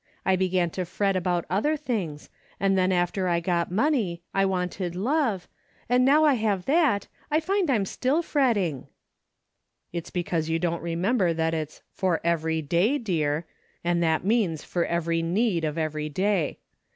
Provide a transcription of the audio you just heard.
I began to fret about other things, and then after I got money, I wanted love, and now I have that, I find I'm still fretting." "It's because you don't remember that it's ' for every day,' dear, and that means for every need of every day.